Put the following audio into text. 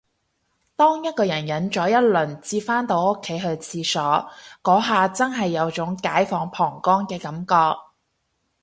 當一個人忍咗一輪至返到屋企去廁所，嗰下真係有種解放膀胱嘅感覺